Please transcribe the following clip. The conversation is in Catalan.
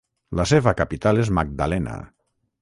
La seva capital és Magdalena.